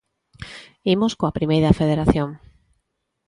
Imos coa Primeira Federación.